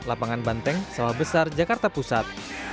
lapangan banteng sawah besar jakarta pusat